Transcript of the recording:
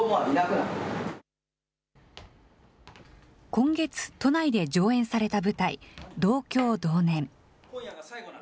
今月、都内で上演された舞台、同郷同年。